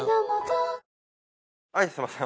はいすいません。